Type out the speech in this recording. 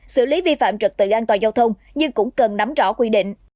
xử lý vi phạm trực tự an toàn giao thông nhưng cũng cần nắm rõ quy định